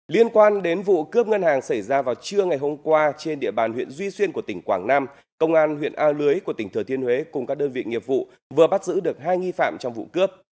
liên quan đến vụ cướp ngân hàng xảy ra vào trưa ngày hôm qua trên địa bàn huyện duy xuyên của tỉnh quảng nam công an huyện a lưới của tỉnh thừa thiên huế cùng các đơn vị nghiệp vụ vừa bắt giữ được hai nghi phạm trong vụ cướp